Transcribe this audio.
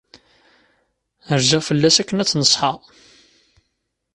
Rziɣ fell-as akken ad tt-neṣḥeɣ.